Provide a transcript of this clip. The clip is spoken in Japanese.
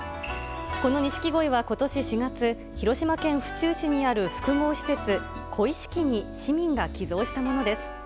このニシキゴイはことし４月、広島県府中市にある複合施設、恋しきに市民が寄贈したものです。